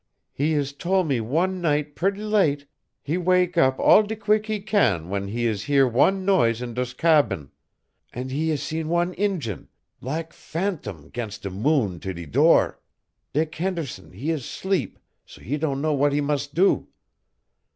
He is tol' me wan night pret' late he wake up all de queeck he can w'en he is hear wan noise in dose cabane, an' he is see wan Injun, lak' phantome 'gainst de moon to de door. Dick Henderson he is 'sleep, he don' know w'at he mus' do.